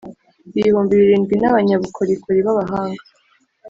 ibihumbi birindwi n abanyabukorikori b abahanga